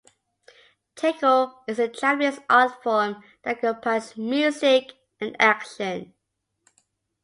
Taiko is a Japanese art form that combines music and action.